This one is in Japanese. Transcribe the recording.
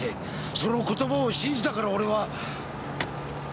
その言葉を信じたから俺は！